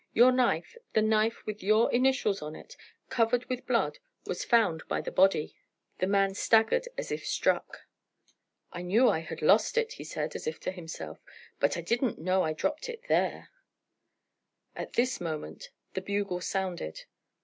"Your knife the knife with your initials on it covered with blood, was found by the body." The man staggered as if struck. "I knew I had lost it," he said, as if to himself, "but I didn't know I dropped it there." At this moment the bugle sounded.